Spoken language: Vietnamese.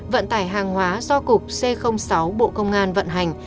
vận tải hàng hóa do cục c sáu bộ công an vận hành